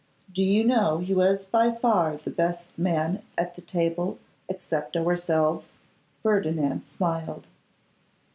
Do you know he was by far the best man at the table except ourselves?' Ferdinand smiled.